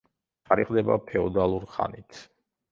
თარიღდება ფეოდალურ ხანით.